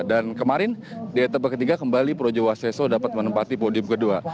dan kemarin di etapa ketiga kembali projo waseso dapat menempati podium kedua